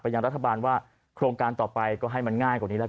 ยังรัฐบาลว่าโครงการต่อไปก็ให้มันง่ายกว่านี้ละกัน